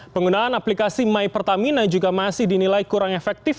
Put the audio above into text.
penggunaan aplikasi mypertamina juga masih dinilai kurang efektif